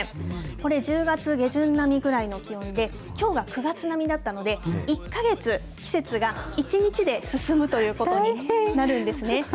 これ、１０月下旬並みぐらいの気温で、きょうが９月並みだったので、１か月季節が、１日で進むということになるんですね。